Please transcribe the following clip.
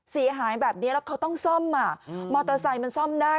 เสียหายแบบนี้แล้วเขาต้องซ่อมอ่ะมอเตอร์ไซค์มันซ่อมได้